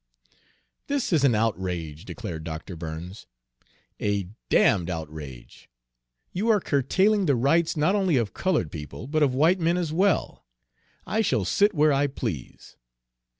"This is an outrage," declared Dr. Burns, "a d d outrage! You are curtailing the rights, not only of colored people, but of white men as well. I shall sit where I please!"